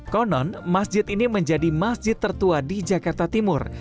konon masjid ini menjadi masjid tertua di jakarta timur